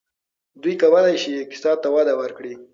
دوی کولای شي اقتصاد ته وده ورکړي.